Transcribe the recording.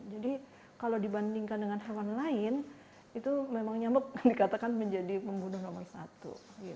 jadi kalau dibandingkan dengan hewan lain itu memang nyamuk dikatakan menjadi pembunuh nomor satu